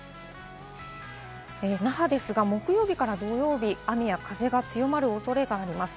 那覇ですが木曜日から土曜日、雨や風が強まるおそれがあります。